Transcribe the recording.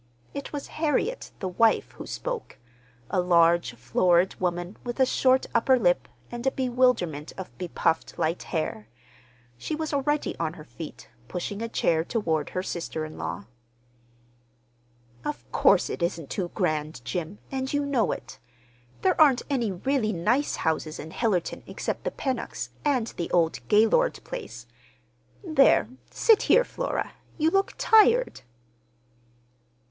It was Harriet, the wife, who spoke—a large, florid woman with a short upper lip, and a bewilderment of bepuffed light hair. She was already on her feet, pushing a chair toward her sister in law. "Of course it isn't too grand, Jim, and you know it. There aren't any really nice houses in Hillerton except the Pennocks' and the old Gaylord place. There, sit here, Flora. You look tired."